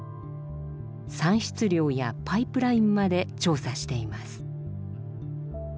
産出量やパイプラインまで調査しています。